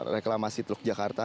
reklamasi teluk jakarta